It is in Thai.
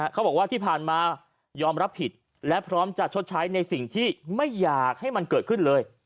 เขาบอกว่าที่ผ่านมายอมรับผิดและพร้อมจะชดใช้ในสิ่งที่ไม่อยากให้มันเกิดขึ้นเลย